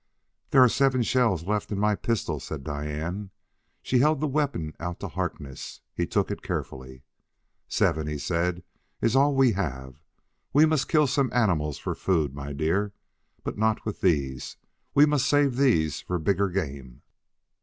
"There are seven shells left in my pistol," said Diane. She held the weapon out to Harkness; he took it carefully. "Seven," he said; "it is all we have. We must kill some animals for food, my dear, but not with these; we must save these for bigger game."